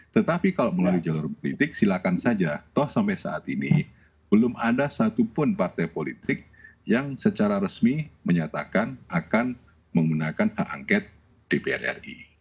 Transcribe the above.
tetapi kalau melalui jalur politik silakan saja toh sampai saat ini belum ada satupun partai politik yang secara resmi menyatakan akan menggunakan hak angket dpr ri